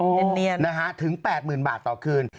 เนียนนะฮะถึง๘๐๐๐บาทต่อคืน